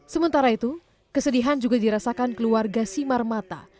sementara itu kesedihan juga dirasakan keluarga simarmata